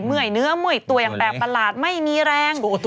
เมื่อยเนื้อเมื่อยตัวอย่างแบบประหลาดไม่มีแรง